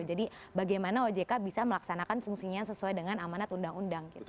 jadi bagaimana ojk bisa melaksanakan fungsinya sesuai dengan amanat undang undang gitu